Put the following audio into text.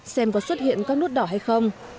xem có xuất hiện các nút đỏ hay không